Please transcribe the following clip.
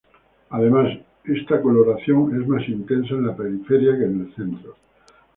Además, esta coloración es más intensa en la periferia que en el centro.